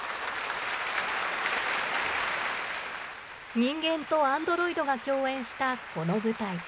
人間とアンドロイドが共演したこの舞台。